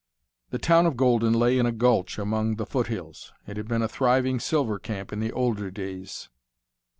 The town of Golden lay in a gulch among the foot hills. It had been a thriving silver camp in the older days.